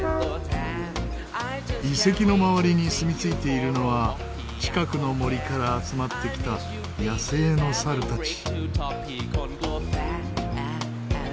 遺跡の周りにすみついているのは近くの森から集まってきた野生のサルたち。